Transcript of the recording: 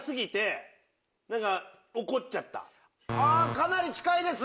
かなり近いです。